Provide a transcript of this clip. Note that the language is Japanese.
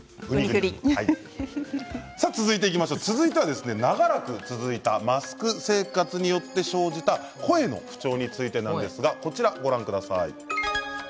続いて長らく続いたマスク生活によって生じた声の不調についてなんですがこちらをご覧ください。